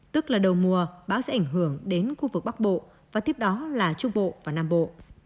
tức là đầu mùa bão sẽ ảnh hưởng đến khu vực bắc bộ và tiếp đó là trung bộ và nam bộ